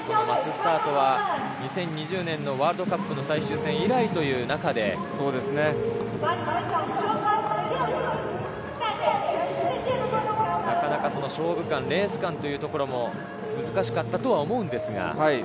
マススタートは２０２０年のワールドカップの最終戦以来という中で勝負勘、レース勘というところも難しかったと思うのですが。